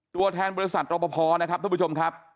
ตัวแทนบริษัทรอปภนะครับท่านผู้ชมครับ